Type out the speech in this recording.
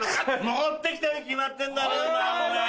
持って来たに決まってんだろお前